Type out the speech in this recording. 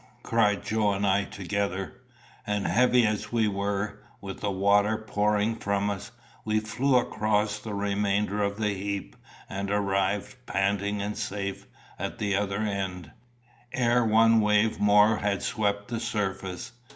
cried Joe and I together, and, heavy as we were, with the water pouring from us, we flew across the remainder of the heap, and arrived, panting and safe, at the other end, ere one wave more had swept the surface.